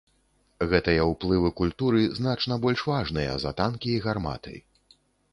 Гэтыя ўплывы культуры значна больш важныя за танкі і гарматы.